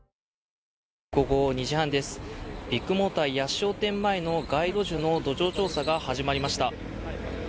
午後２時半です、ビッグモーター八潮店前の街路樹の土壌調査が始まりました。